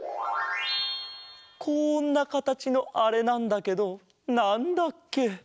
こんなかたちのあれなんだけどなんだっけ？